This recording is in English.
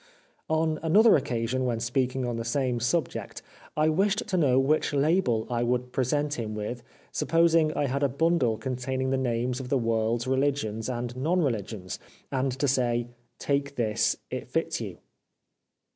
" On another occasion when speaking on the same subject I wished to know which label I would present him with, supposing I had a bundle containing the names of the world's religions and non religions, and to say ' Take this it fits you.'